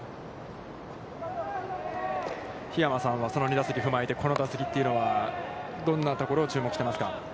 桧山さんは、その２打席を踏まえて、この打席というのはどんなところを注目していますか。